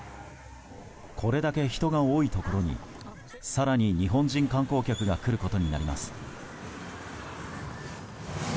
これだけ人が多いところに更に日本人観光客が来ることになります。